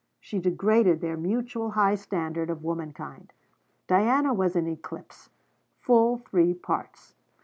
She degraded their mutual high standard of womankind. Diana was in eclipse, full three parts.